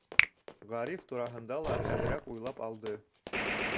Ғариф тураһында ла әҙерәк уйлап алды.